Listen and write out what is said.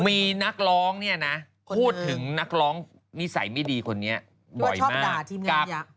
มีนักร้องเนี่ยนะพูดถึงนักร้องนิสัยไม่ดีคนนี้บ่อยชอบด่าทีมงาน